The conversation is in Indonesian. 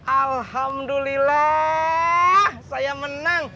alhamdulillah saya menang